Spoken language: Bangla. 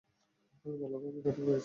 ভালোভাবেই কাটাতে পেরেছি।